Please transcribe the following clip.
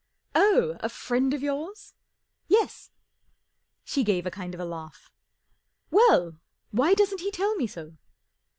Oh, a friend of yours ?" 44 Yes." She gave a kind of a laugh. " Well, why doesn't he tell me so